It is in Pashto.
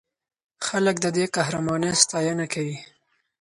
خلک د دې قهرمانۍ ستاینه کوي.